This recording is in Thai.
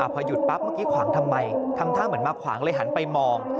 พอหยุดปั๊บเมื่อกี้ขวางทำไมทำท่าเหมือนมาขวางเลยหันไปมอง